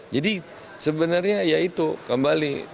jadi sebenarnya ya itu kembali